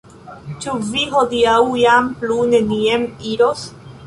Ĉu vi hodiaŭ jam plu nenien iros?